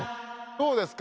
どうですか？